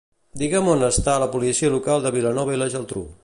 Digue'm on està la policia local de Vilanova i la Geltrú.